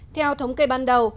theo thống kê ban đầu